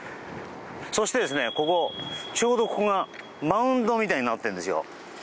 そしてちょうどここがマウンドみたいになっているんですよ。